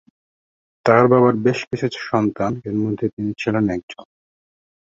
তার বাবার বেশ কিছু সন্তান এর মধ্যে তিনি ছিলেন একজন।